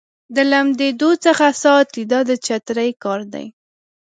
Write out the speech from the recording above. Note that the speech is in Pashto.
د لمدېدو څخه ساتي دا د چترۍ کار دی.